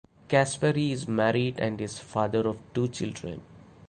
Caspary is married and is father of two children.